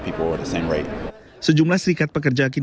kita semua punya teman teman yang kehilangan pekerjaan mereka